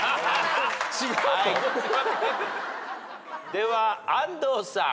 では安藤さん。